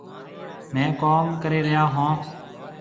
ميه ڪوم ڪري ريا هون۔